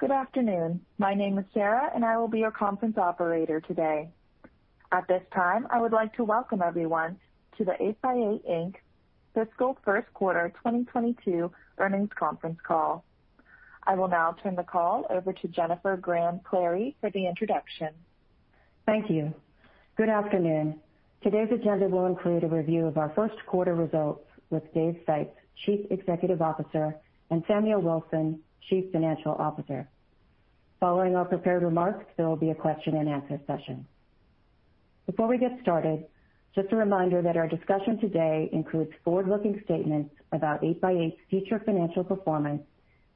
Good afternoon. My name is Sarah, and I will be your conference operator today. At this time, I would like to welcome everyone to the 8x8, Inc. Fiscal First Quarter 2022 Earnings Conference Call. I will now turn the call over to Jennifer Graham-Clary for the introduction. Thank you. Good afternoon. Today's agenda will include a review of our first quarter results with Dave Sipes, Chief Executive Officer, and Samuel Wilson, Chief Financial Officer. Following our prepared remarks, there will be a question and answer session. Before we get started, just a reminder that our discussion today includes forward-looking statements about 8x8's future financial performance,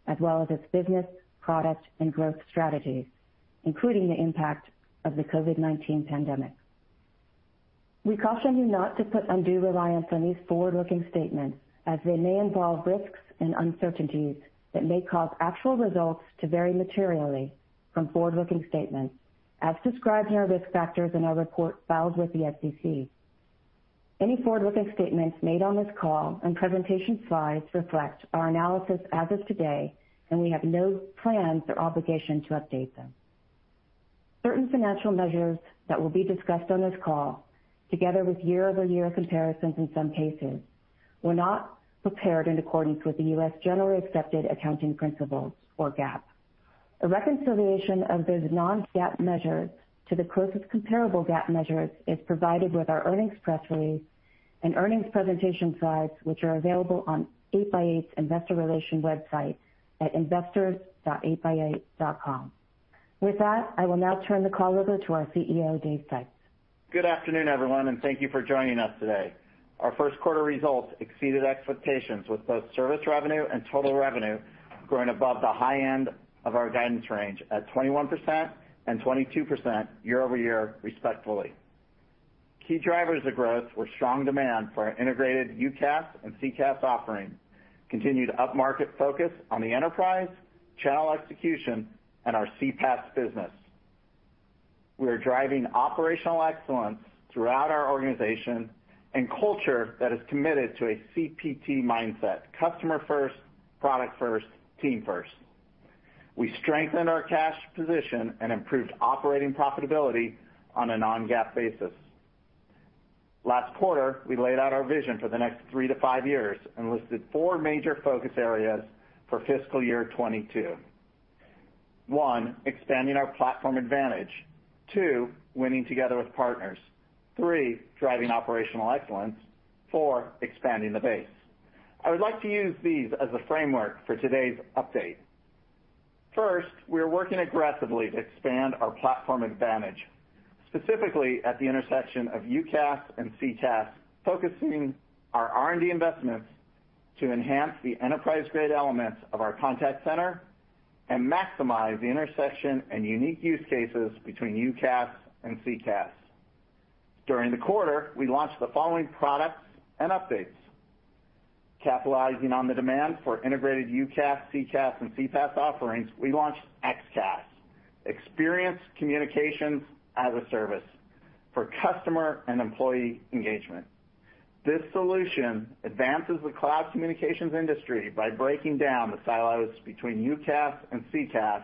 as well as its business, product, and growth strategies, including the impact of the COVID-19 pandemic. We caution you not to put undue reliance on these forward-looking statements, as they may involve risks and uncertainties that may cause actual results to vary materially from forward-looking statements as described in our risk factors in our report filed with the SEC. Any forward-looking statements made on this call and presentation slides reflect our analysis as of today. We have no plans or obligation to update them. Certain financial measures that will be discussed on this call, together with year-over-year comparisons in some cases, were not prepared in accordance with the U.S. generally accepted accounting principles, or GAAP. A reconciliation of those non-GAAP measures to the closest comparable GAAP measures is provided with our earnings press release and earnings presentation slides, which are available on 8x8 investor relations website at investors.8x8.com. With that, I will now turn the call over to our CEO, Dave Sipes. Good afternoon, everyone, and thank you for joining us today. Our first quarter results exceeded expectations with both service revenue and total revenue growing above the high end of our guidance range at 21% and 22% year-over-year respectively. Key drivers of growth were strong demand for our integrated UCaaS and CCaaS offerings, continued up-market focus on the enterprise, channel execution, and our CPaaS business. We are driving operational excellence throughout our organization and culture that is committed to a CPT mindset, customer first, product first, team first. We strengthened our cash position and improved operating profitability on a non-GAAP basis. Last quarter, we laid out our vision for the next three to five years and listed four major focus areas for fiscal year 2022. One, expanding our platform advantage. Two, winning together with partners. Three, driving operational excellence. Four, expanding the base. I would like to use these as a framework for today's update. First, we are working aggressively to expand our platform advantage, specifically at the intersection of UCaaS and CCaaS, focusing our R&D investments to enhance the enterprise-grade elements of our contact center and maximize the intersection and unique use cases between UCaaS and CCaaS. During the quarter, we launched the following products and updates. Capitalizing on the demand for integrated UCaaS, CCaaS, and CPaaS offerings, we launched XCaaS, Experience Communications as a Service, for customer and employee engagement. This solution advances the cloud communications industry by breaking down the silos between UCaaS and CCaaS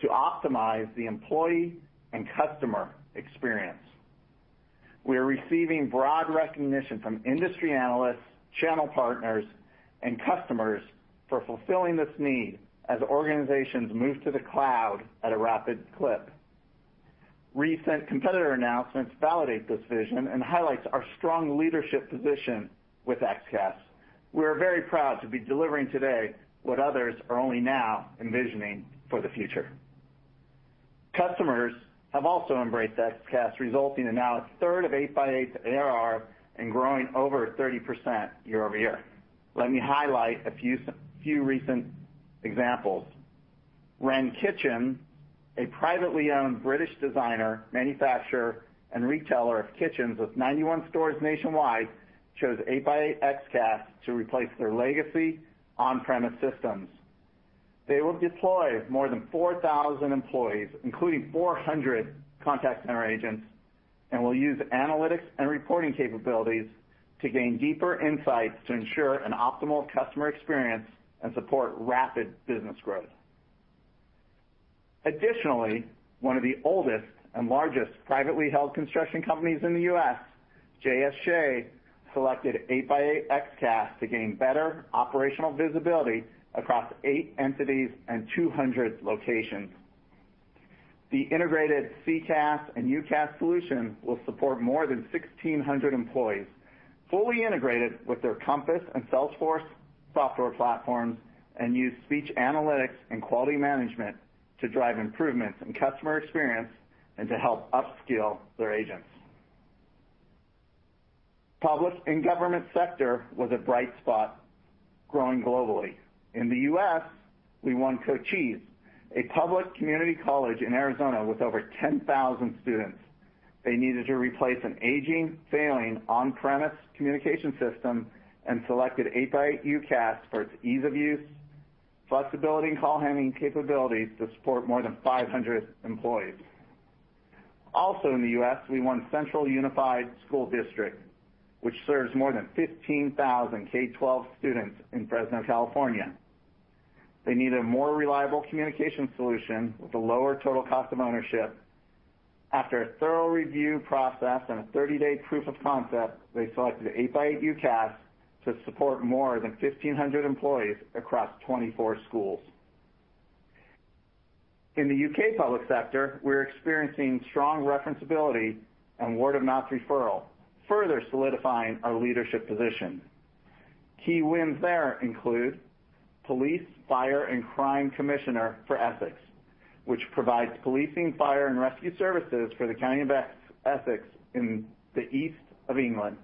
to optimize the employee and customer experience. We are receiving broad recognition from industry analysts, channel partners, and customers for fulfilling this need as organizations move to the cloud at a rapid clip. Recent competitor announcements validate this vision and highlights our strong leadership position with XCaaS. We are very proud to be delivering today what others are only now envisioning for the future. Customers have also embraced XCaaS, resulting in now a third of 8x8's ARR and growing over 30% year-over-year. Let me highlight a few recent examples. Wren Kitchens, a privately owned British designer, manufacturer, and retailer of kitchens with 91 stores nationwide, chose 8x8 XCaaS to replace their legacy on-premise systems. They will deploy more than 4,000 employees, including 400 contact center agents, and will use analytics and reporting capabilities to gain deeper insights to ensure an optimal customer experience and support rapid business growth. Additionally, one of the oldest and largest privately held construction companies in the U.S., J.F. Shea, selected 8x8 XCaaS to gain better operational visibility across eight entities and 200 locations. The integrated CCaaS and UCaaS solution will support more than 1,600 employees fully integrated with their Compass and Salesforce software platforms and use speech analytics and quality management to drive improvements in customer experience and to help upskill their agents. Public and government sector was a bright spot growing globally. In the U.S., we won Cochise, a public community college in Arizona with over 10,000 students. They needed to replace an aging, failing on-premise communication system and selected 8x8 UCaaS for its ease of use, flexibility, and call handling capabilities to support more than 500 employees. Also in the U.S., we won Central Unified School District, which serves more than 15,000 K-12 students in Fresno, California. They need a more reliable communication solution with a lower total cost of ownership. After a thorough review process and a 30-day proof of concept, they selected 8x8 UCaaS to support more than 1,500 employees across 24 schools. In the U.K. public sector, we're experiencing strong referenceability and word-of-mouth referral, further solidifying our leadership position. Key wins there include Police, Fire and Crime Commissioner for Essex, which provides policing fire and rescue services for the county of Essex in the East of England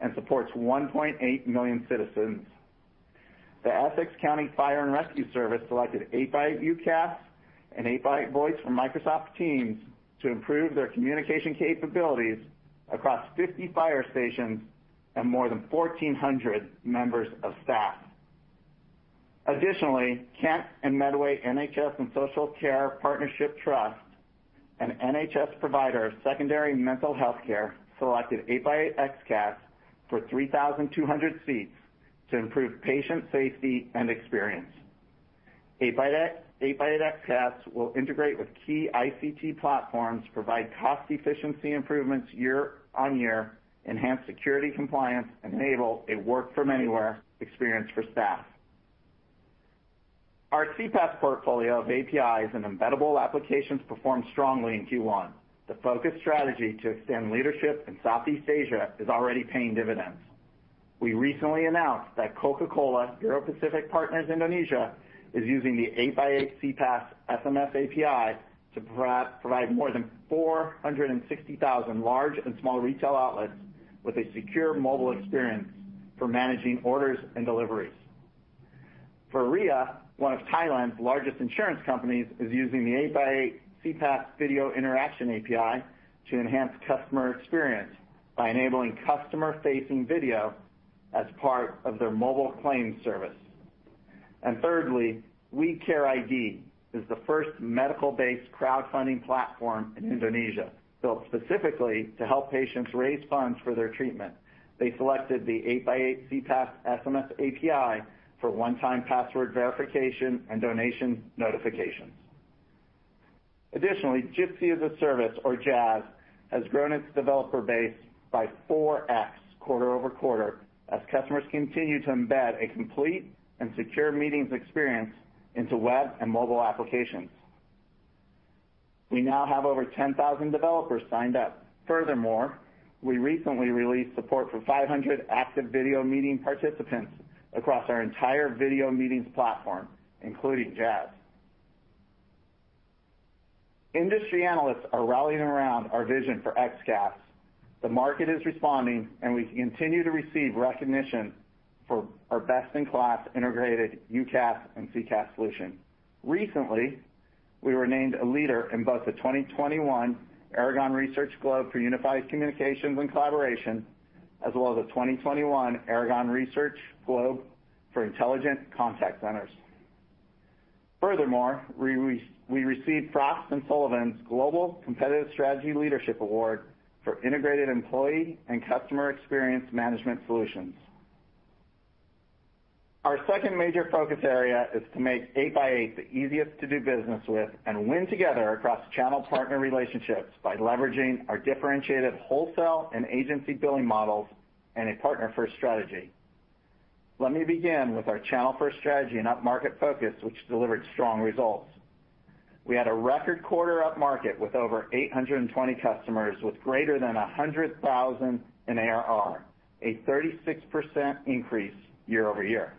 and supports 1.8 million citizens. The Essex County Fire and Rescue Service selected 8x8 UCaaS and 8x8 Voice for Microsoft Teams to improve their communication capabilities across 50 fire stations and more than 1,400 members of staff. Additionally, Kent and Medway NHS and Social Care Partnership Trust, an NHS provider of secondary mental health care, selected 8x8 XCaaS for 3,200 seats to improve patient safety and experience. 8x8 XCaaS will integrate with key ICT platforms, provide cost efficiency improvements year-over-year, enhance security compliance, and enable a work-from-anywhere experience for staff. Our CPaaS portfolio of APIs and embeddable applications performed strongly in Q1. The focus strategy to extend leadership in Southeast Asia is already paying dividends. We recently announced that Coca-Cola Europacific Partners Indonesia is using the 8x8 CPaaS SMS API to provide more than 460,000 large and small retail outlets with a secure mobile experience for managing orders and deliveries. Viriyah, one of Thailand's largest insurance companies, is using the 8x8 CPaaS Video Interaction API to enhance customer experience by enabling customer-facing video as part of their mobile claims service. Thirdly, WeCare.id is the first medical-based crowdfunding platform in Indonesia, built specifically to help patients raise funds for their treatment. They selected the 8x8 CPaaS SMS API for one-time password verification and donation notifications. Additionally, Jitsi as a Service or JaaS has grown its developer base by 4x quarter-over-quarter as customers continue to embed a complete and secure meetings experience into web and mobile applications. We now have over 10,000 developers signed up. Furthermore, we recently released support for 500 active video meeting participants across our entire video meetings platform, including JaaS. Industry analysts are rallying around our vision for XCaaS. The market is responding, and we continue to receive recognition for our best-in-class integrated UCaaS and CCaaS solution. Recently, we were named a leader in both the 2021 Aragon Research Globe for Unified Communications and Collaboration, as well as the 2021 Aragon Research Globe for Intelligent Contact Centers. Furthermore, we received Frost & Sullivan's Global Competitive Strategy Leadership Award for integrated employee and customer experience management solutions. Our second major focus area is to make 8x8 the easiest to do business with and win together across channel partner relationships by leveraging our differentiated wholesale and agency billing models and a partner-first strategy. Let me begin with our channel-first strategy and upmarket focus, which delivered strong results. We had a record quarter upmarket with over 820 customers with greater than $100,000 in ARR, a 36% increase year-over-year.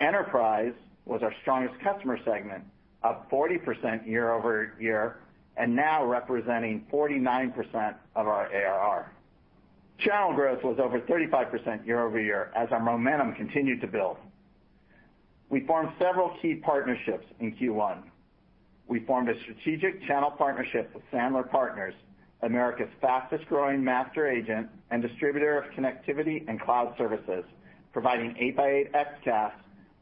Enterprise was our strongest customer segment, up 40% year-over-year, and now representing 49% of our ARR. Channel growth was over 35% year-over-year as our momentum continued to build. We formed several key partnerships in Q1. We formed a strategic channel partnership with Sandler Partners, America's fastest-growing master agent and distributor of connectivity and cloud services, providing 8x8 XCaaS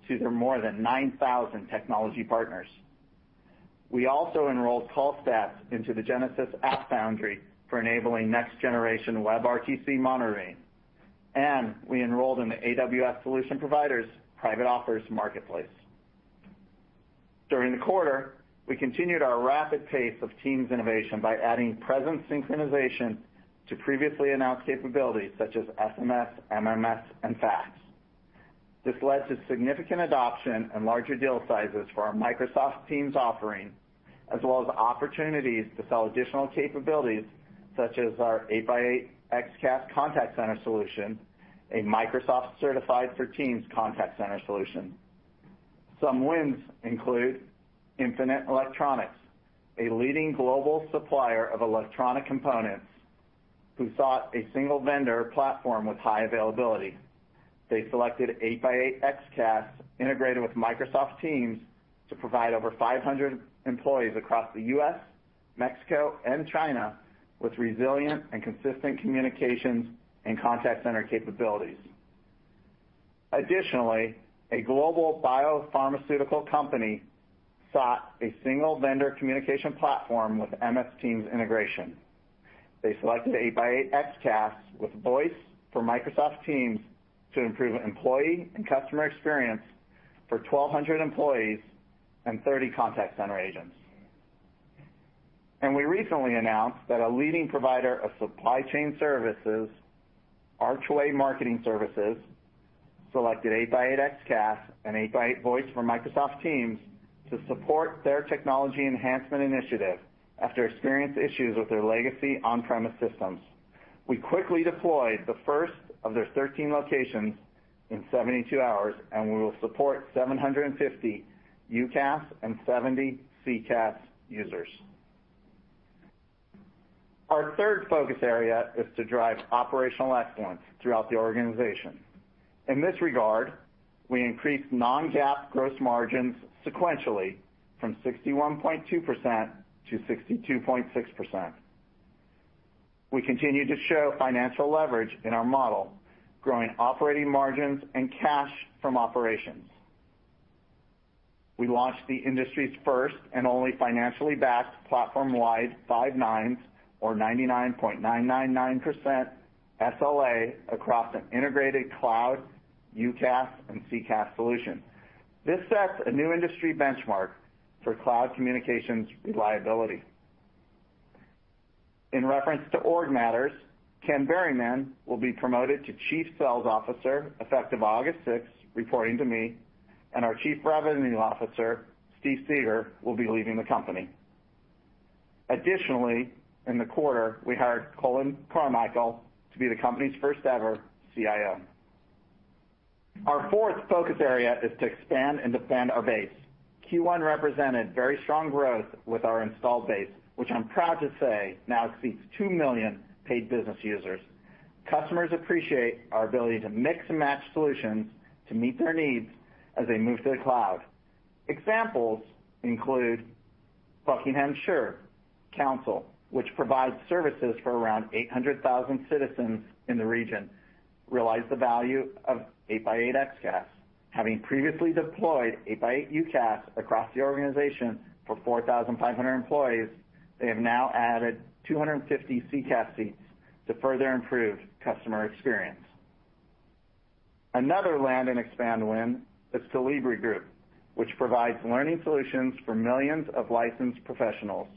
to their more than 9,000 technology partners. We also enrolled callstats.io into the Genesys AppFoundry for enabling next-generation WebRTC monitoring, and we enrolled in the AWS Solution Provider Private Offers Marketplace. During the quarter, we continued our rapid pace of Teams innovation by adding presence synchronization to previously announced capabilities such as SMS, MMS, and fax. This led to significant adoption and larger deal sizes for our Microsoft Teams offering, as well as opportunities to sell additional capabilities such as our 8x8 XCaaS Contact Center solution, a Microsoft-certified for Teams contact center solution. Some wins include Infinite Electronics, a leading global supplier of electronic components who sought a single-vendor platform with high availability. They selected 8x8 XCaaS integrated with Microsoft Teams to provide over 500 employees across the U.S., Mexico, and China with resilient and consistent communications and contact center capabilities. Additionally, a global biopharmaceutical company sought a single-vendor communication platform with MS Teams integration. They selected 8x8 XCaaS with Voice for Microsoft Teams to improve employee and customer experience for 1,200 employees and 30 contact center agents. We recently announced that a leading provider of supply chain services, Archway Marketing Services, selected 8x8 XCaaS and 8x8 Voice for Microsoft Teams to support their technology enhancement initiative after experiencing issues with their legacy on-premise systems. We quickly deployed the first of their 13 locations in 72 hours, we will support 750 UCaaS and 70 CCaaS users. Our third focus area is to drive operational excellence throughout the organization. In this regard, we increased non-GAAP gross margins sequentially from 61.2% to 62.6%. We continue to show financial leverage in our model, growing operating margins and cash from operations. We launched the industry's first and only financially backed platform-wide five nines, or 99.999%, SLA across an integrated cloud UCaaS and CCaaS solution. This sets a new industry benchmark for cloud communications reliability. In reference to org matters, Ken Berryman will be promoted to Chief Sales Officer effective August 6, reporting to me, and our Chief Revenue Officer, Steve Seger, will be leaving the company. Additionally, in the quarter, we hired Colin Carmichael to be the company's first ever CIO. Our fourth focus area is to expand and defend our base. Q1 represented very strong growth with our installed base, which I'm proud to say now exceeds 2 million paid business users. Customers appreciate our ability to mix and match solutions to meet their needs as they move to the cloud. Examples include Buckinghamshire Council, which provides services for around 800,000 citizens in the region, realized the value of 8x8 XCaaS. Having previously deployed 8x8 UCaaS across the organization for 4,500 employees, they have now added 250 CCaaS seats to further improve customer experience. Another land and expand win is Colibri Group, which provides learning solutions for millions of licensed professionals.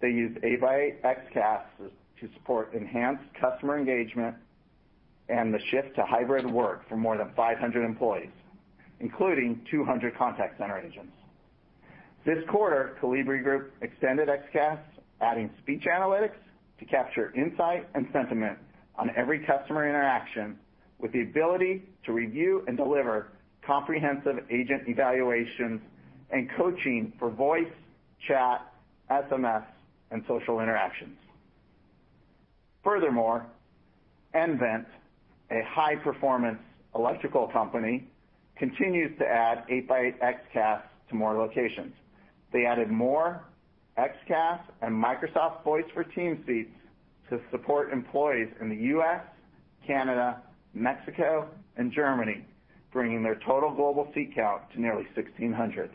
They use 8x8 XCaaS to support enhanced customer engagement and the shift to hybrid work for more than 500 employees, including 200 contact center agents. This quarter, Colibri Group extended XCaaS, adding speech analytics to capture insight and sentiment on every customer interaction with the ability to review and deliver comprehensive agent evaluations and coaching for voice, chat, SMS, and social interactions. nVent, a high-performance electrical company, continues to add 8x8 XCaaS to more locations. They added more XCaaS and Microsoft Voice for Teams seats to support employees in the U.S., Canada, Mexico, and Germany, bringing their total global seat count to nearly 1,600.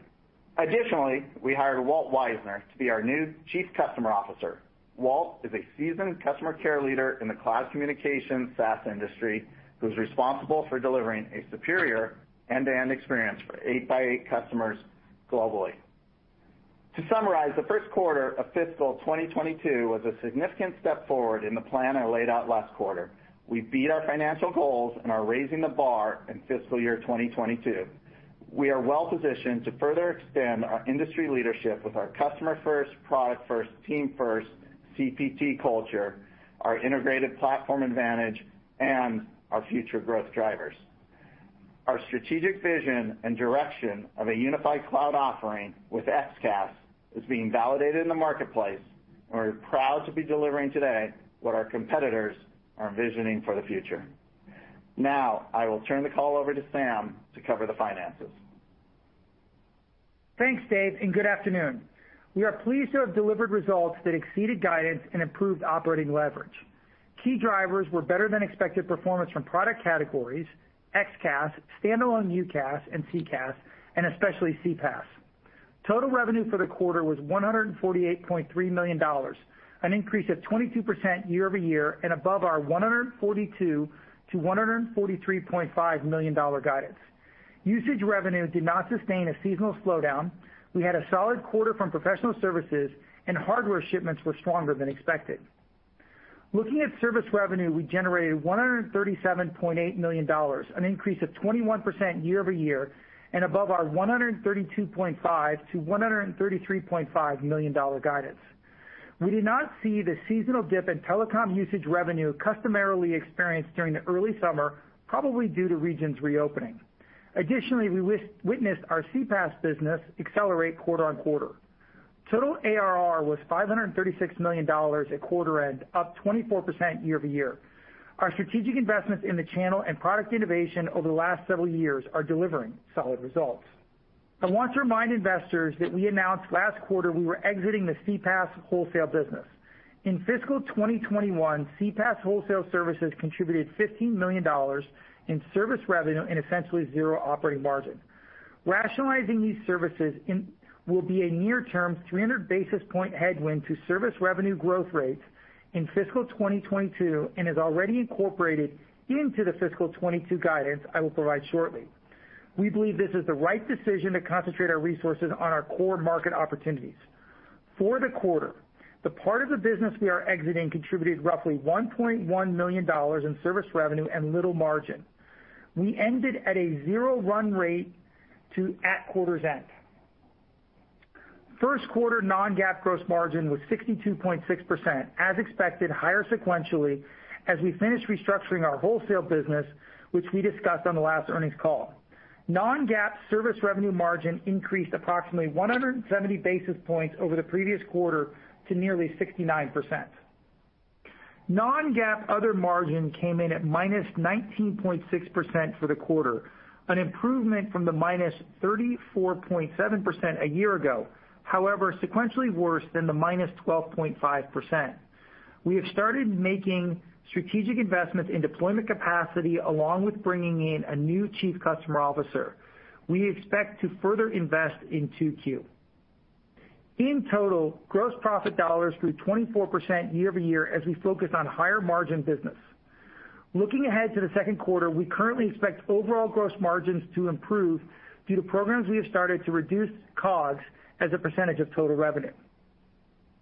Additionally, we hired Walt Weisner to be our new Chief Customer Officer. Walt is a seasoned customer care leader in the cloud communication SaaS industry, who's responsible for delivering a superior end-to-end experience for 8x8 customers globally. To summarize, the first quarter of fiscal 2022 was a significant step forward in the plan I laid out last quarter. We beat our financial goals and are raising the bar in fiscal year 2022. We are well-positioned to further extend our industry leadership with our customer first, product first, team first CPT culture, our integrated platform advantage, and our future growth drivers. Our strategic vision and direction of a unified cloud offering with XCaaS is being validated in the marketplace, and we're proud to be delivering today what our competitors are envisioning for the future. Now, I will turn the call over to Sam to cover the finances. Thanks, Dave, and good afternoon. We are pleased to have delivered results that exceeded guidance and improved operating leverage. Key drivers were better than expected performance from product categories, XCaaS, standalone UCaaS and CCaaS, and especially CPaaS. Total revenue for the quarter was $148.3 million, an increase of 22% year-over-year and above our $142 million-$143.5 million guidance. Usage revenue did not sustain a seasonal slowdown. We had a solid quarter from professional services, and hardware shipments were stronger than expected. Looking at service revenue, we generated $137.8 million, an increase of 21% year-over-year, and above our $132.5 million-$133.5 million guidance. We did not see the seasonal dip in telecom usage revenue customarily experienced during the early summer, probably due to regions reopening. Additionally, we witnessed our CPaaS business accelerate quarter-on-quarter. Total ARR was $536 million at quarter end, up 24% year-over-year. Our strategic investments in the channel and product innovation over the last several years are delivering solid results. I want to remind investors that we announced last quarter we were exiting the CPaaS wholesale business. In fiscal 2021, CPaaS wholesale services contributed $15 million in service revenue and essentially zero operating margin. Rationalizing these services will be a near-term 300-basis-point headwind to service revenue growth rates in fiscal 2022 and is already incorporated into the fiscal 2022 guidance I will provide shortly. We believe this is the right decision to concentrate our resources on our core market opportunities. For the quarter, the part of the business we are exiting contributed roughly $1.1 million in service revenue and little margin. We ended at a zero run rate at quarter's end. First quarter non-GAAP gross margin was 62.6%, as expected, higher sequentially as we finished restructuring our wholesale business, which we discussed on the last earnings call. Non-GAAP service revenue margin increased approximately 170 basis points over the previous quarter to nearly 69%. Non-GAAP other margin came in at -19.6% for the quarter, an improvement from the -34.7% a year ago, however, sequentially worse than the -12.5%. We have started making strategic investments in deployment capacity, along with bringing in a new Chief Customer Officer. We expect to further invest in 2Q. In total, gross profit dollars grew 24% year-over-year as we focused on higher-margin business. Looking ahead to the second quarter, we currently expect overall gross margins to improve due to programs we have started to reduce COGS as a percentage of total revenue.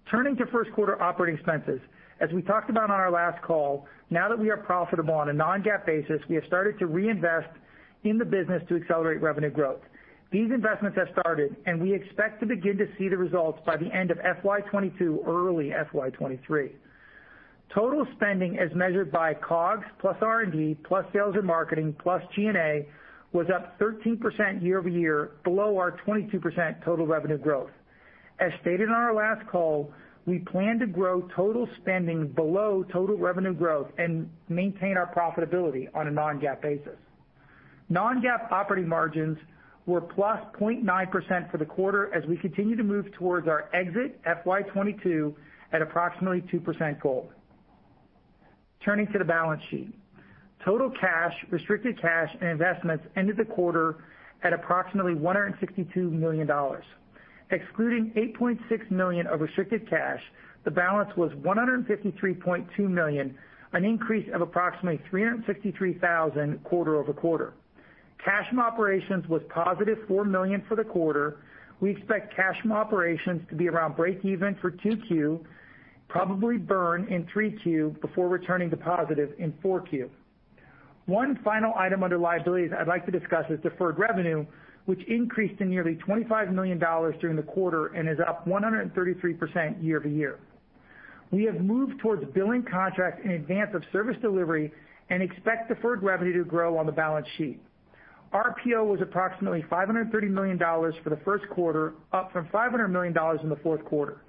Turning to first quarter operating expenses, as we talked about on our last call, now that we are profitable on a non-GAAP basis, we have started to reinvest in the business to accelerate revenue growth. These investments have started, and we expect to begin to see the results by the end of FY 2022 or early FY 2023. Total spending as measured by COGS plus R&D, plus sales and marketing, plus G&A, was up 13% year-over-year, below our 22% total revenue growth. As stated on our last call, we plan to grow total spending below total revenue growth and maintain our profitability on a non-GAAP basis. Non-GAAP operating margins were +0.9% for the quarter as we continue to move towards our exit FY 2022 at approximately 2% goal. Turning to the balance sheet. Total cash, restricted cash, and investments ended the quarter at approximately $162 million. Excluding $8.6 million of restricted cash, the balance was $153.2 million, an increase of approximately $363,000 quarter-over-quarter. Cash from operations was positive $4 million for the quarter. We expect cash from operations to be around breakeven for 2Q, probably burn in 3Q, before returning to positive in 4Q. One final item under liabilities I'd like to discuss is deferred revenue, which increased to nearly $25 million during the quarter and is up 133% year-over-year. We have moved towards billing contracts in advance of service delivery and expect deferred revenue to grow on the balance sheet. RPO was approximately $530 million for the first quarter, up from $500 million in the fourth quarter.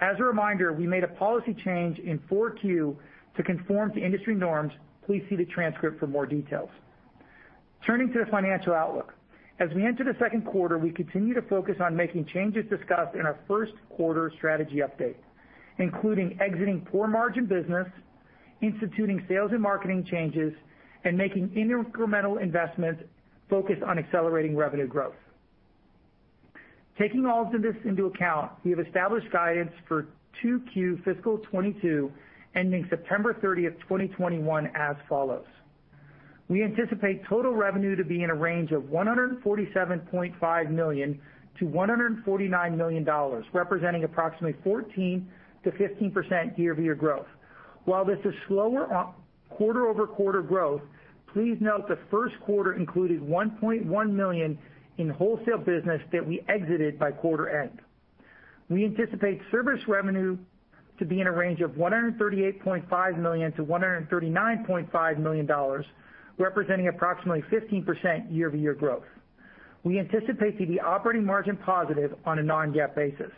As a reminder, we made a policy change in 4Q to conform to industry norms. Please see the transcript for more details. Turning to the financial outlook. As we enter the second quarter, we continue to focus on making changes discussed in our first quarter strategy update, including exiting poor margin business, instituting sales and marketing changes, and making incremental investments focused on accelerating revenue growth. Taking all of this into account, we have established guidance for 2Q fiscal 2022 ending September 30, 2021 as follows. We anticipate total revenue to be in a range of $147.5 million-$149 million, representing approximately 14%-15% year-over-year growth. While this is slower quarter-over-quarter growth, please note the first quarter included $1.1 million in wholesale business that we exited by quarter end. We anticipate service revenue to be in a range of $138.5 million-$139.5 million, representing approximately 15% year-over-year growth. We anticipate to be operating margin positive on a non-GAAP basis.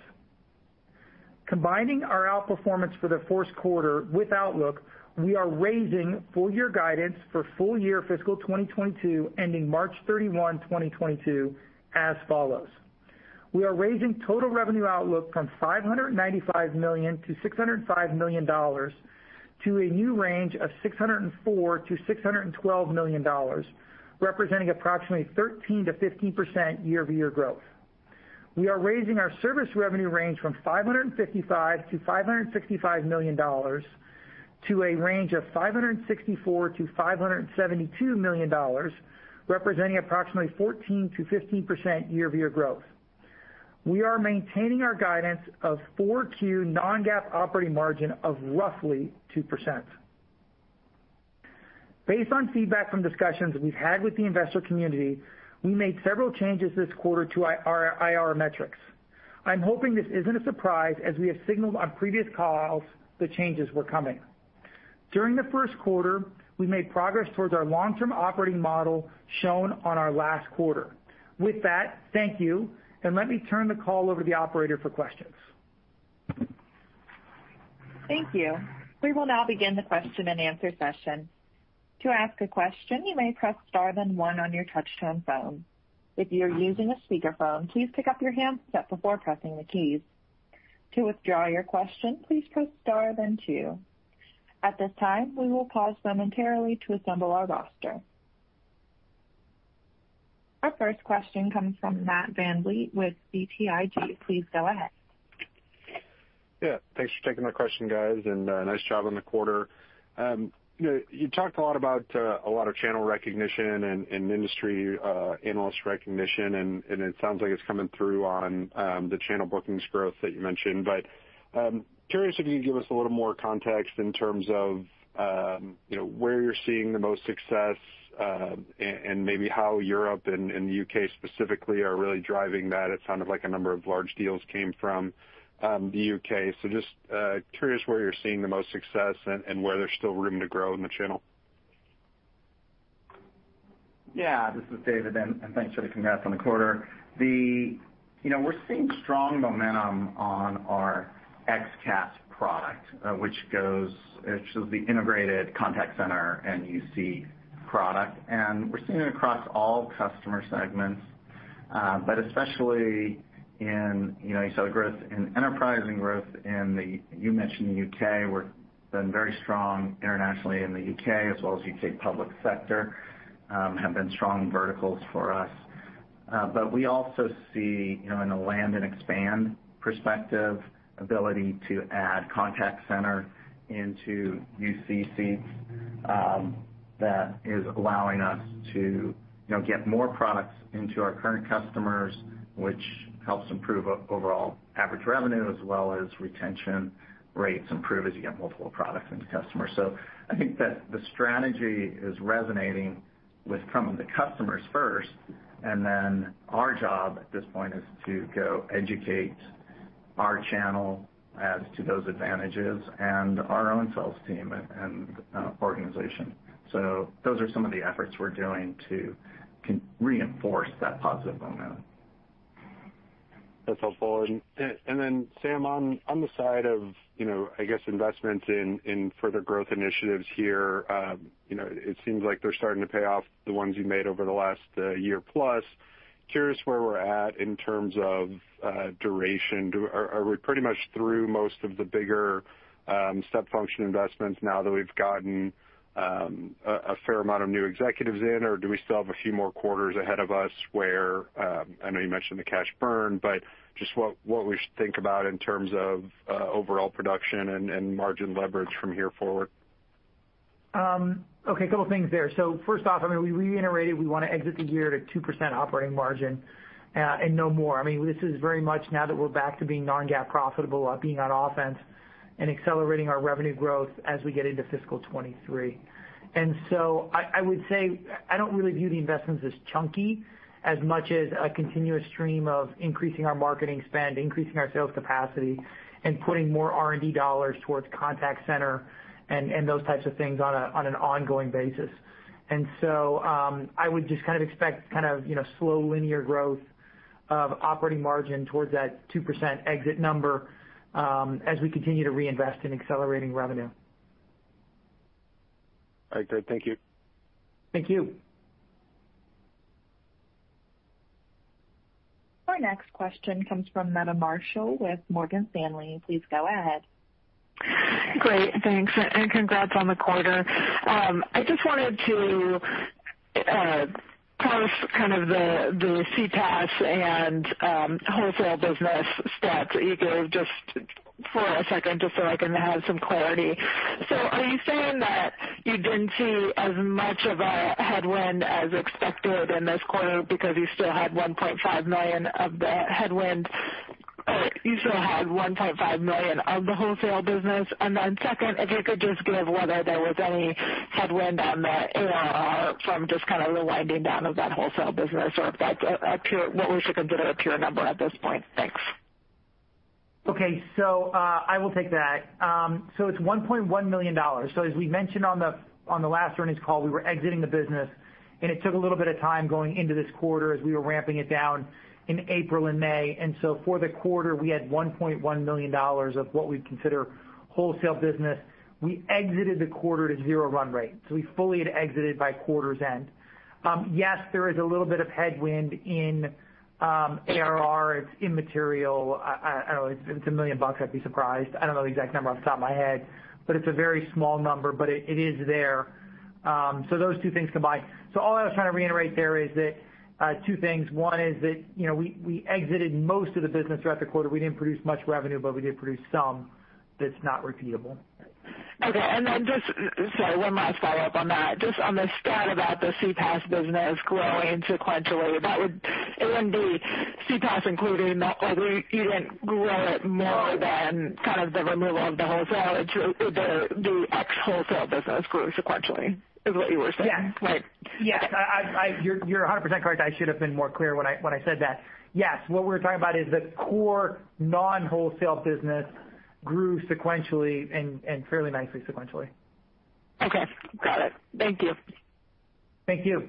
Combining our outperformance for the 1st quarter with outlook, we are raising full-year guidance for full year fiscal 2022 ending March 31, 2022 as follows. We are raising total revenue outlook from $595 million-$605 million to a new range of $604 million-$612 million, representing approximately 13%-15% year-over-year growth. We are raising our service revenue range from $555 million-$565 million to a range of $564 million-$572 million, representing approximately 14%-15% year-over-year growth. We are maintaining our guidance of Q4 non-GAAP operating margin of roughly 2%. Based on feedback from discussions we've had with the investor community, we made several changes this quarter to our IR metrics. I'm hoping this isn't a surprise as we have signaled on previous calls that changes were coming. During the first quarter, we made progress towards our long-term operating model shown on our last quarter. With that, thank you, and let me turn the call over to the operator for questions. Thank you. We will now begin the question and answer session. Our first question comes from Matt VanVliet with BTIG. Please go ahead. Thanks for taking my question, guys, and nice job on the quarter. You talked a lot about a lot of channel recognition and industry analyst recognition. It sounds like it's coming through on the channel bookings growth that you mentioned. Curious if you can give us a little more context in terms of where you're seeing the most success, and maybe how Europe and the U.K. specifically are really driving that. It sounded like a number of large deals came from the U.K. Just curious where you're seeing the most success and where there's still room to grow in the channel. Yeah. This is Dave, and thanks for the congrats on the quarter. We're seeing strong momentum on our XCaaS product, which is the integrated contact center and UC product. We're seeing it across all customer segments, especially in, you saw the growth in enterprise and growth in the, you mentioned the U.K. We've been very strong internationally in the U.K. as well as U.K. public sector, have been strong verticals for us. We also see, in a land and expand perspective, ability to add contact center into UCC that is allowing us to get more products into our current customers, which helps improve overall average revenue as well as retention rates improve as you get multiple products into customers. I think that the strategy is resonating with some of the customers first, and then our job at this point is to go educate our channel as to those advantages and our own sales team and organization. Those are some of the efforts we're doing to reinforce that positive momentum. That's helpful. Then Sam, on the side of, I guess, investments in further growth initiatives here, it seems like they're starting to pay off, the ones you made over the last year plus. Curious where we're at in terms of duration. Are we pretty much through most of the bigger step function investments now that we've gotten a fair amount of new executives in, or do we still have a few more quarters ahead of us where, I know you mentioned the cash burn, but just what we should think about in terms of overall production and margin leverage from here forward? Okay. A couple of things there. First off, we reiterated we want to exit the year at a 2% operating margin and no more. This is very much now that we're back to being non-GAAP profitable, being on offense and accelerating our revenue growth as we get into fiscal 2023. I would say I don't really view the investments as chunky as much as a continuous stream of increasing our marketing spend, increasing our sales capacity, and putting more R&D dollars towards contact center and those types of things on an ongoing basis. I would just expect slow linear growth of operating margin towards that 2% exit number as we continue to reinvest in accelerating revenue. All right. Good. Thank you. Thank you. Our next question comes from Meta Marshall with Morgan Stanley. Please go ahead. Great. Thanks, and congrats on the quarter. I just wanted to parse the CPaaS and wholesale business stats that you gave just for a second, just so I can have some clarity. Are you saying that you didn't see as much of a headwind as expected in this quarter because you still had $1.5 million of the headwind, or you still had $1.5 million of the wholesale business? Second, if you could just give whether there was any headwind on the ARR from just the winding down of that wholesale business, or if that's what we should consider a pure number at this point. Thanks. Okay. I will take that. It's $1.1 million. As we mentioned on the last earnings call, we were exiting the business, and it took a little bit of time going into this quarter as we were ramping it down in April and May. For the quarter, we had $1.1 million of what we'd consider wholesale business. We exited the quarter to zero run rate. We fully had exited by quarter's end. Yes, there is a little bit of headwind in ARR. It's immaterial. I don't know, if it's $1 million, I'd be surprised. I don't know the exact number off the top of my head, but it's a very small number, but it is there. Those two things combined. All I was trying to reiterate there is that two things. One is that we exited most of the business throughout the quarter. We didn't produce much revenue, but we did produce some that's not repeatable. Okay. Just, sorry, one last follow-up on that. Just on the stat about the CPaaS business growing sequentially. It wouldn't be CPaaS including or you didn't grow it more than the removal of the wholesale. The ex-wholesale business grew sequentially, is what you were saying? Yes. Right. Yes. You're 100% correct. I should have been more clear when I said that. Yes. What we're talking about is the core non-wholesale business grew sequentially and fairly nicely sequentially. Okay. Got it. Thank you. Thank you.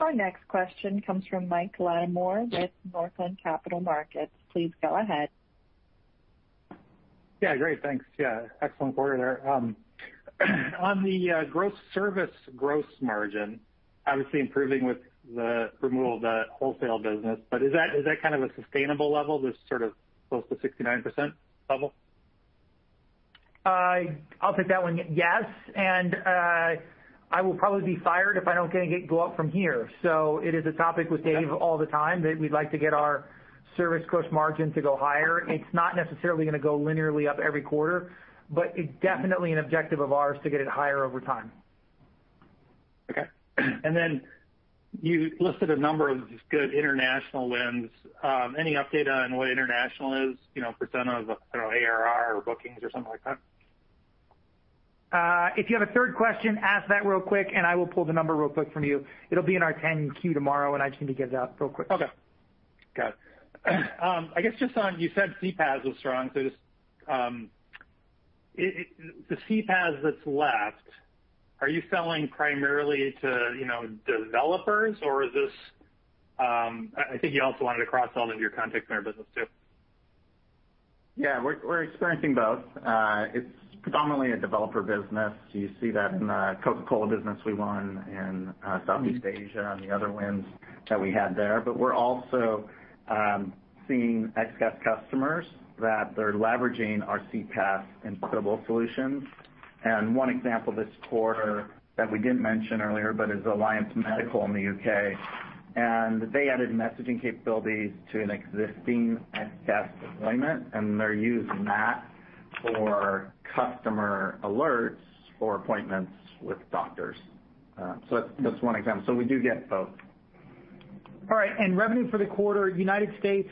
Our next question comes from Mike Latimore with Northland Capital Markets. Please go ahead. Yeah, great. Thanks. Yeah. Excellent quarter there. On the gross service gross margin, obviously improving with the removal of the wholesale business, is that kind of a sustainable level, this sort of close to 69% level? I'll take that one. Yes, I will probably be fired if I don't get it go up from here. It is a topic with Dave all the time that we'd like to get our service gross margin to go higher. It's not necessarily going to go linearly up every quarter, it's definitely an objective of ours to get it higher over time. Okay. You listed a number of good international wins. Any update on what international is? % of ARR or bookings or something like that? If you have a third question, ask that real quick, and I will pull the number real quick from you. It'll be in our 10-Q tomorrow, and I just need to get it out real quick. Okay. Got it. I guess just on, you said CPaaS was strong, the CPaaS that's left, are you selling primarily to developers or, I think, you also wanted to cross-sell into your contact center business, too. Yeah, we're experiencing both. It's predominantly a developer business. You see that in the Coca-Cola business we won in Southeast Asia and the other wins that we had there. We're also seeing XCaaS customers that they're leveraging our CPaaS and credible solutions. One example this quarter that we didn't mention earlier, but is Alliance Medical in the U.K., and they added messaging capabilities to an existing XCaaS deployment, and they're using that for customer alerts for appointments with doctors. That's one example. We do get both. All right, and revenue for the quarter, United States,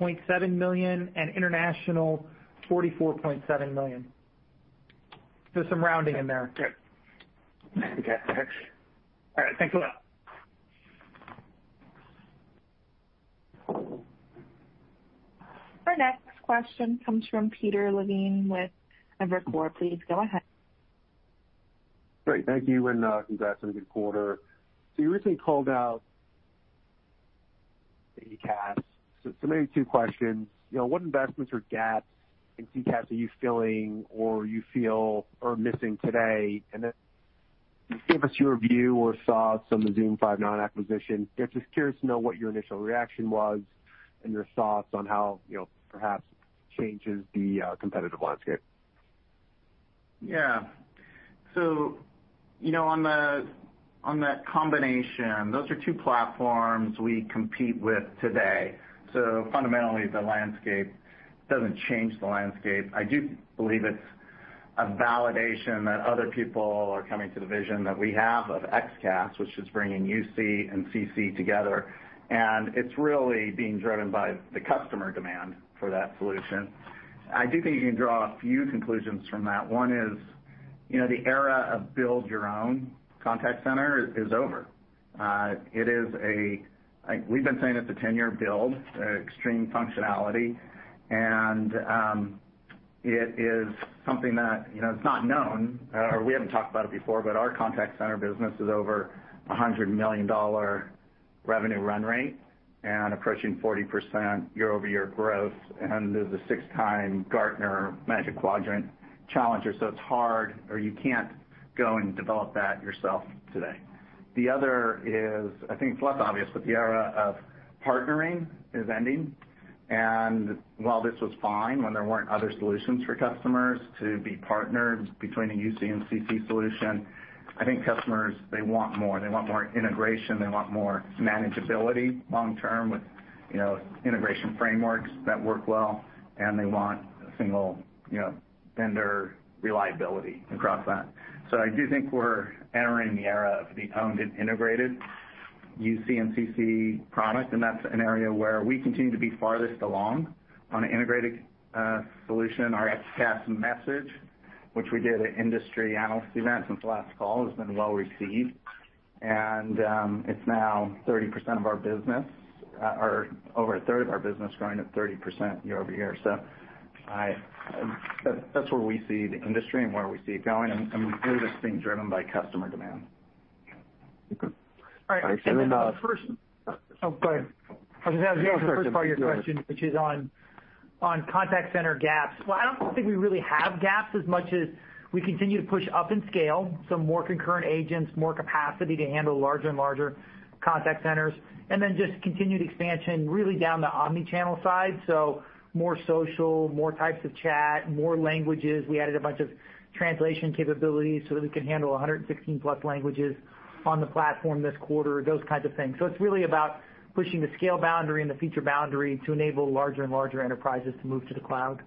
$103.7 million and international, $44.7 million. There's some rounding in there. Okay. All right. Thanks a lot. Our next question comes from Peter Levine with Evercore. Please go ahead. Great. Thank you, and congrats on a good quarter. You recently called out the XCaaS. Maybe two questions. What investments or gaps in CPaaS are you filling or you feel are missing today? Can you give us your view or thoughts on the Zoom Five9 acquisition? Just curious to know what your initial reaction was and your thoughts on how perhaps changes the competitive landscape. On that combination, those are two platforms we compete with today. Fundamentally, the landscape doesn't change the landscape. I do believe it's a validation that other people are coming to the vision that we have of XCaaS, which is bringing UC and CC together, and it's really being driven by the customer demand for that solution. I do think you can draw a few conclusions from that. One is, the era of build your own contact center is over. We've been saying it's a 10-year build, extreme functionality, and it is something that, it's not known, or we haven't talked about it before, but our contact center business is over $100 million revenue run rate and approaching 40% year-over-year growth. Is a six-time Gartner Magic Quadrant challenger, it's hard, or you can't go and develop that yourself today. The other is, I think it's less obvious, but the era of partnering is ending. While this was fine when there weren't other solutions for customers to be partnered between a UC and CC solution, I think customers, they want more. They want more integration. They want more manageability long term with integration frameworks that work well, and they want a single vendor reliability across that. I do think we're entering the era of the owned and integrated UC and CC product, and that's an area where we continue to be farthest along on an integrated solution. Our XCaaS message, which we did at industry analyst events since last call, has been well received. It's now 30% of our business, or over a third of our business growing at 30% year-over-year. That's where we see the industry and where we see it going, and really just being driven by customer demand. Okay. Oh, go ahead. I was going to answer the first part of your question, which is on contact center gaps. Well, I don't think we really have gaps as much as we continue to push up in scale, so more concurrent agents, more capacity to handle larger and larger contact centers, and then just continued expansion really down the omni-channel side. More social, more types of chat, more languages. We added a bunch of translation capabilities so that we could handle 116 plus languages on the platform this quarter, those kinds of things. It's really about pushing the scale boundary and the feature boundary to enable larger and larger enterprises to move to the cloud.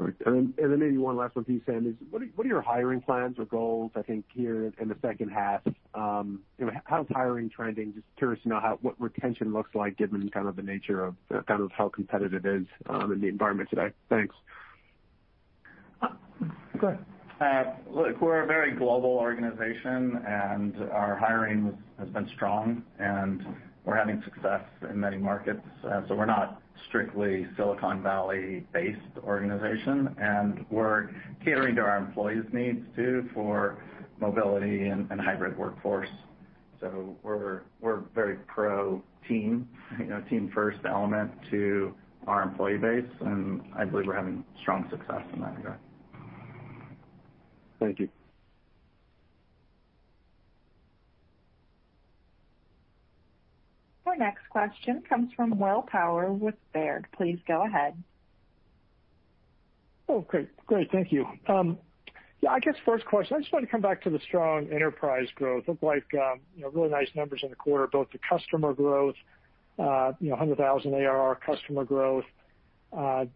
All right. Maybe one last one for you, Sam, is what are your hiring plans or goals, I think here in the second half? How's hiring trending? Just curious to know what retention looks like given kind of the nature of how competitive it is in the environment today. Thanks. Go ahead. Look, we're a very global organization, and our hiring has been strong, and we're having success in many markets. We're not strictly Silicon Valley based organization, and we're catering to our employees' needs, too, for mobility and hybrid workforce. We're very pro-team, team first element to our employee base, and I believe we're having strong success in that regard. Thank you. Our next question comes from Will Power with Baird. Please go ahead. Oh, great. Thank you. I guess first question, I just wanted to come back to the strong enterprise growth. Looked like really nice numbers in the quarter, both the customer growth, 100,000 ARR customer growth, both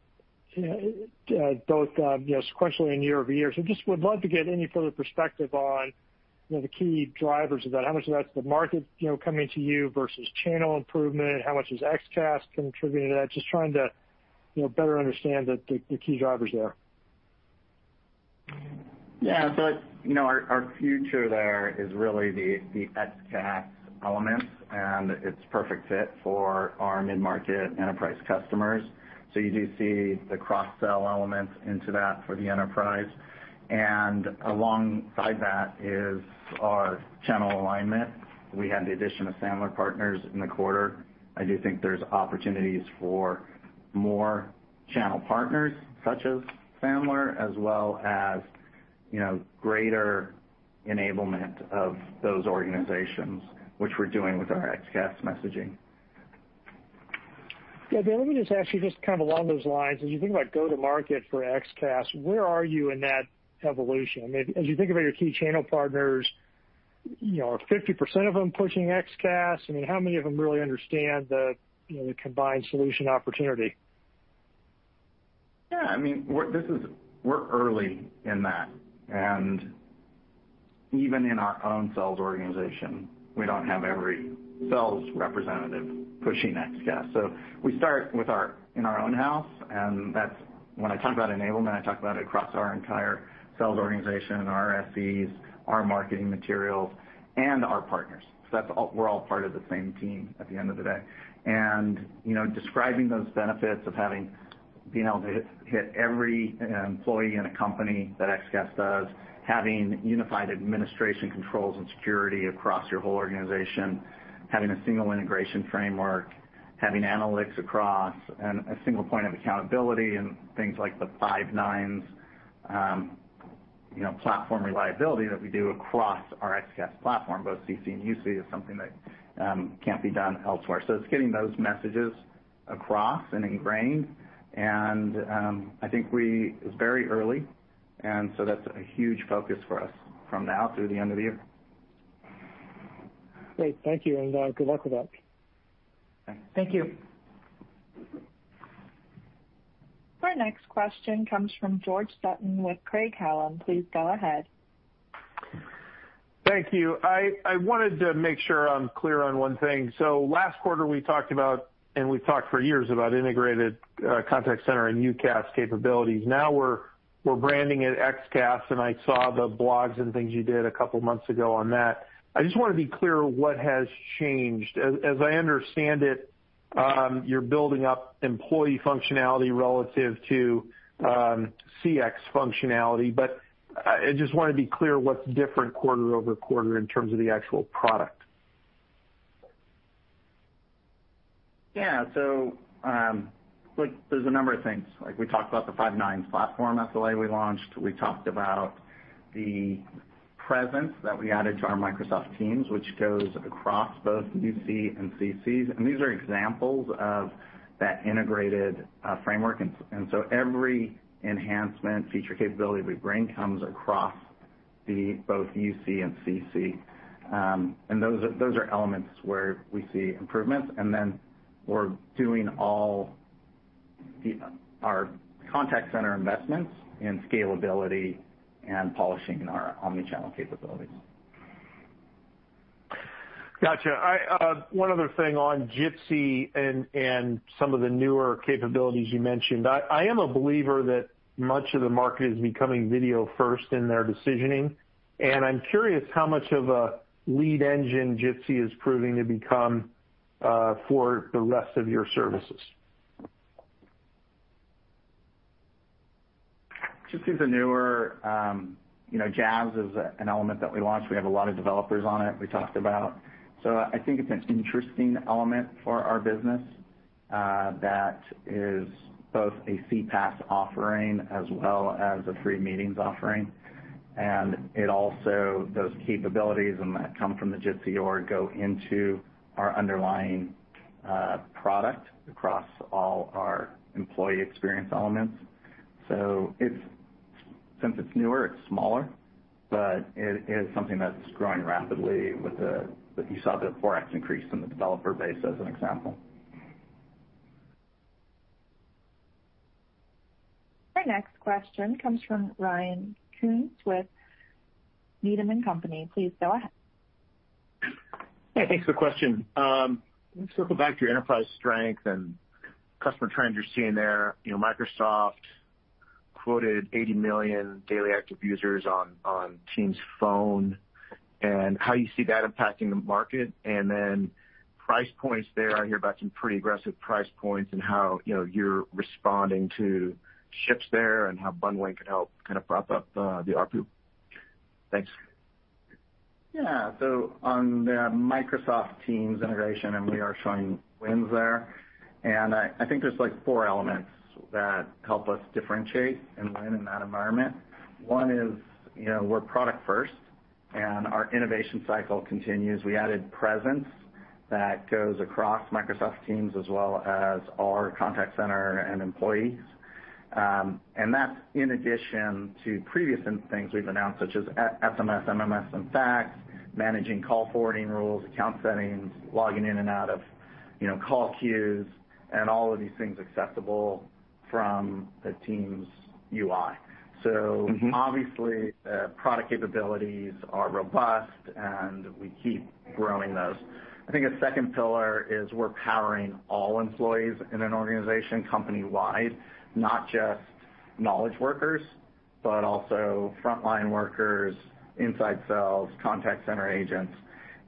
sequentially and year-over-year. Just would love to get any further perspective on the key drivers of that. How much of that's the market coming to you versus channel improvement? How much is XCaaS contributing to that? Just trying to better understand the key drivers there. Yeah. Our future there is really the XCaaS elements, and it's perfect fit for our mid-market enterprise customers. You do see the cross-sell elements into that for the enterprise. Alongside that is our channel alignment. We had the addition of Sandler Partners in the quarter. I do think there's opportunities for more channel partners such as Sandler, as well as greater enablement of those organizations, which we're doing with our XCaaS messaging. Yeah. Let me just ask you, just kind of along those lines, as you think about go to market for XCaaS, where are you in that evolution? As you think about your key channel partners, are 50% of them pushing XCaaS? How many of them really understand the combined solution opportunity? Yeah. We're early in that, and even in our own sales organization, we don't have every sales representative pushing XCaaS. We start within our own house, and when I talk about enablement, I talk about it across our entire sales organization, our SEs, our marketing materials, and our partners. We're all part of the same team at the end of the day. Describing those benefits of being able to hit every employee in a company that XCaaS does, having unified administration controls and security across your whole organization, having a single integration framework, having analytics across, and a single point of accountability and things like the Five 9s platform reliability that we do across our XCaaS platform, both CCaaS and UCaaS, is something that can't be done elsewhere. It's getting those messages across and ingrained and I think it's very early, and so that's a huge focus for us from now through the end of the year. Great. Thank you, and good luck with that. Thank you. Our next question comes from George Sutton with Craig-Hallum. Please go ahead. Thank you. I wanted to make sure I'm clear on one thing. Last quarter we talked about, and we've talked for years about integrated contact center and UCaaS capabilities. Now we're branding it XCaaS, and I saw the blogs and things you did a couple of months ago on that. I just want to be clear what has changed. As I understand it, you're building up employee functionality relative to CX functionality. I just want to be clear what's different quarter over quarter in terms of the actual product. Yeah. There's a number of things. We talked about the five nines platform SLA we launched. We talked about the presence that we added to our Microsoft Teams, which goes across both UC and CCs. These are examples of that integrated framework. Every enhancement feature capability we bring comes across both UC and CC. Those are elements where we see improvements. We're doing all our contact center investments in scalability and polishing our omni-channel capabilities. Got you. One other thing on Jitsi and some of the newer capabilities you mentioned. I am a believer that much of the market is becoming video first in their decisioning, and I'm curious how much of a lead engine Jitsi is proving to become for the rest of your services. JaaS is an element that we launched. We have a lot of developers on it we talked about. I think it's an interesting element for our business that is both a CPaaS offering as well as a free meetings offering. Those capabilities that come from the Jitsi org go into our underlying product across all our employee experience elements. Since it's newer, it's smaller, but it is something that's growing rapidly. You saw the 4X increase in the developer base as an example. Our next question comes from Ryan Koontz with Needham & Company. Please go ahead. Hey, thanks for the question. Let me circle back to your enterprise strength and customer trends you're seeing there. Microsoft quoted 80 million daily active users on Teams Phone, and how you see that impacting the market? Price points there, I hear about some pretty aggressive price points and how you're responding to shifts there and how bundling could help kind of prop up the ARPU. Thanks. Yeah. On the Microsoft Teams integration, we are showing wins there, I think there's four elements that help us differentiate and win in that environment. One is, we're product first, our innovation cycle continues. We added presence that goes across Microsoft Teams as well as our contact center and employees. That's in addition to previous things we've announced, such as SMS, MMS, and fax, managing call forwarding rules, account settings, logging in and out of call queues, and all of these things accessible from the Teams UI. obviously, the product capabilities are robust, and we keep growing those. I think a second pillar is we're powering all employees in an organization company-wide, not just knowledge workers, but also frontline workers, inside sales, contact center agents,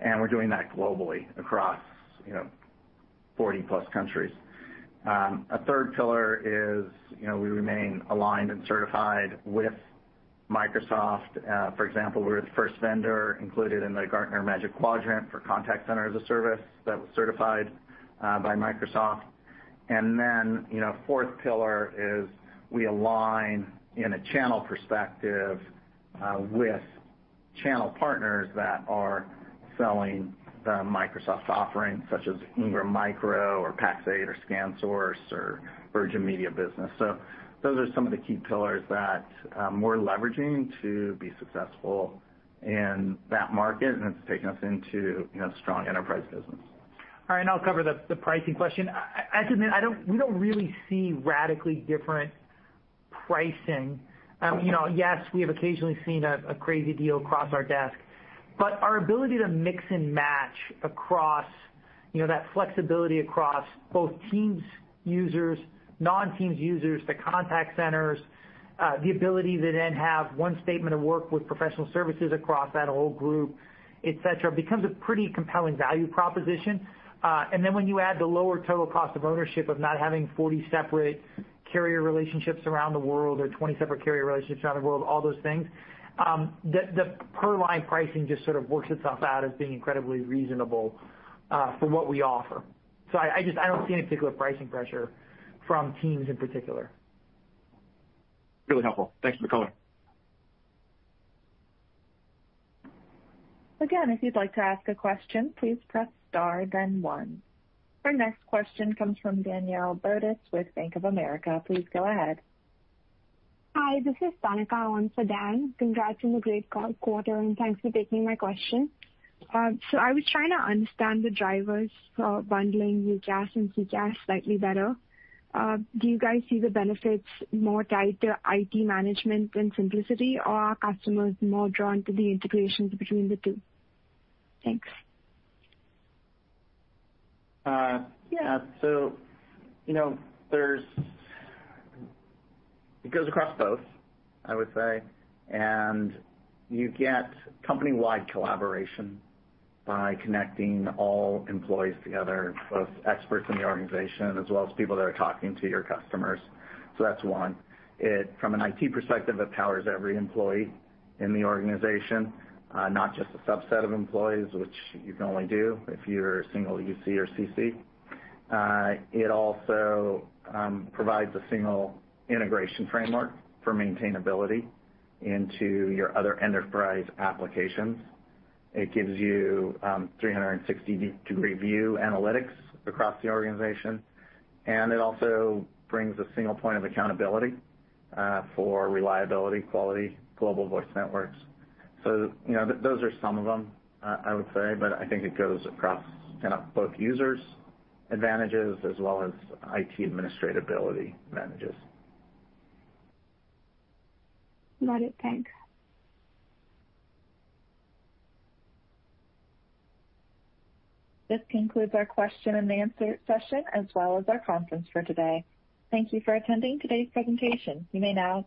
and we're doing that globally across 40-plus countries. A third pillar is, we remain aligned and certified with Microsoft. For example, we're the first vendor included in the Gartner Magic Quadrant for Contact Center as a Service that was certified by Microsoft. Fourth pillar is we align in a channel perspective with channel partners that are selling the Microsoft offerings, such as Ingram Micro or Pax8 or ScanSource or Virgin Media Business. Those are some of the key pillars that we're leveraging to be successful in that market, and it's taking us into strong enterprise business. All right. I'll cover the pricing question. I have to admit, we don't really see radically different pricing. Yes, we have occasionally seen a crazy deal cross our desk, our ability to mix and match across, that flexibility across both Teams users, non-Teams users, the contact centers, the ability to then have one statement of work with professional services across that whole group, et cetera, becomes a pretty compelling value proposition. When you add the lower total cost of ownership of not having 40 separate carrier relationships around the world or 20 separate carrier relationships around the world, all those things, the per-line pricing just sort of works itself out as being incredibly reasonable for what we offer. I don't see any particular pricing pressure from Teams in particular. Really helpful. Thanks for the color. Again, if you'd like to ask a question, please press star then one. Our next question comes from Daniel Bartus with Bank of America. Please go ahead. Hi, this is Tanika on for Dan. Congrats on the great quarter. Thanks for taking my question. I was trying to understand the drivers for bundling UCaaS and CCaaS slightly better. Do you guys see the benefits more tied to IT management and simplicity, or are customers more drawn to the integrations between the two? Thanks. Yeah. It goes across both, I would say, and you get company-wide collaboration by connecting all employees together, both experts in the organization as well as people that are talking to your customers. That's one. From an IT perspective, it powers every employee in the organization, not just a subset of employees, which you can only do if you're a single UC or CC. It also provides a single integration framework for maintainability into your other enterprise applications. It gives you 360-degree view analytics across the organization, and it also brings a single point of accountability for reliability, quality, global voice networks. Those are some of them, I would say, but I think it goes across both users' advantages as well as IT administratability advantages. Got it. Thanks. This concludes our question and answer session as well as our conference for today. Thank you for attending today's presentation. You may now.